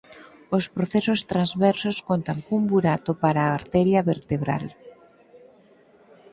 Os procesos transversos contan cun burato para a arteria vertebral.